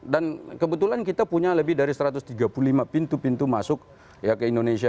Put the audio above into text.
dan kebetulan kita punya lebih dari satu ratus tiga puluh lima pintu pintu masuk ke indonesia